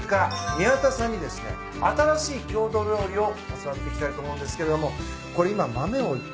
宮田さんにですね新しい郷土料理を教わっていきたいと思うんですけれどもこれ今豆をいって。